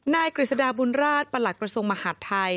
กฤษฎาบุญราชประหลักกระทรวงมหาดไทย